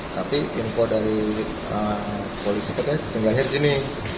tapi info dari polisi peta tinggal di sini